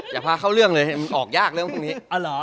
อย่าพาเข้าเรื่องเลยมันออกยากเรื่องพวกนี้